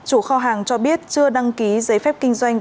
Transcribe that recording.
chủ kho hàng cho biết chưa đăng ký giấy phép kinh doanh